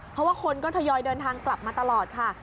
เพราะว่าคนก็ทยอยเดินทางกลับมาตลอดค่ะ